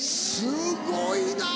すごいな！